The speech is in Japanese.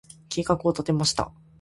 計画を立てました。